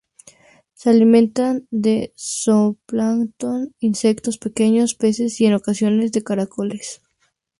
Se alimentan de zooplancton, insectos, pequeños peces y, en ocasiones, de caracoles.